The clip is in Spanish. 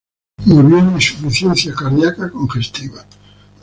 Murió de insuficiencia cardíaca congestiva.